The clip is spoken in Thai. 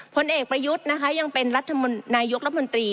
ผลเอกประยุทธ์นะคะยังเป็นนายกรัฐมนตรี